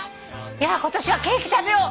今年はケーキ食べよう。